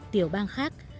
tiểu bang khác